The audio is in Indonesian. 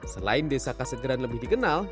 selain desa kasegeran lebih dikenal